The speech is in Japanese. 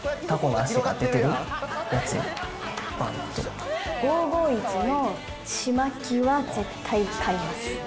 ５５１のちまきは絶対買います。